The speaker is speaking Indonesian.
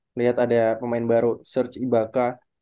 melihat ada pemain baru search ibaka